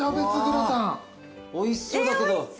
おいしそうだけど。